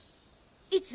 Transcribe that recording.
いつ？